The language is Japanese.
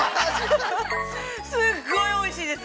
すごいおいしいです。